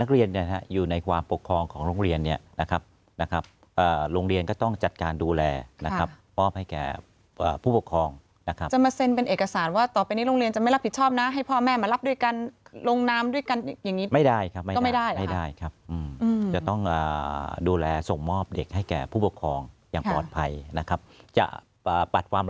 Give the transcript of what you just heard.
โรงเรียนเนี่ยนะครับนะครับอ่าโรงเรียนก็ต้องจัดการดูแลนะครับป้อมให้แก่อ่าผู้ปกครองนะครับจะมาเซ็นเป็นเอกสารว่าต่อไปในโรงเรียนจะไม่รับผิดชอบนะให้พ่อแม่มารับด้วยกันลงน้ำด้วยกันอย่างงี้ไม่ได้ครับไม่ได้ไม่ได้ครับอืมจะต้องอ่าดูแลส่งมอบเด็กให้แก่ผู้ปกครองอย่างปลอดภัยนะครับจะอ่าปัดคว